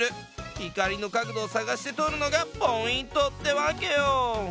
光の角度を探して撮るのがポイントってわけよ！